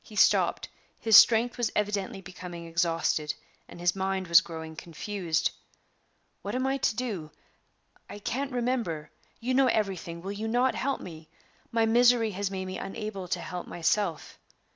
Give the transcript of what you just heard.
He stopped; his strength was evidently becoming exhausted, and his mind was growing confused. "What am I to do? I can't remember. You know everything will you not help me? My misery has made me unable to help myself."